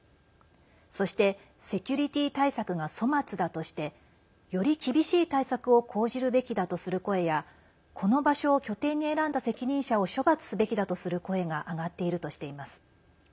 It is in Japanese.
そして、セキュリティー対策が粗末だとしてより厳しい対策を講じるべきだとする声やこの場所を拠点に選んだ責任者を処罰すべきだとする声が上がっているとしています。